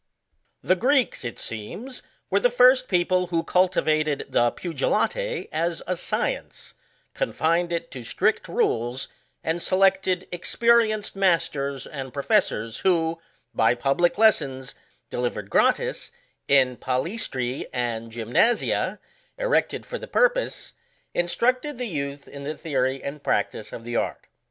The Greeks, it seems, were the first people who cultivated the puligate as a science, confined it to strict rules, and selected experienced masters and professors who, by public lessons, delivered gratis in PalaestrsB and Gymnasia, erected for the purpose, instructed the youth in the theory and practice of the art.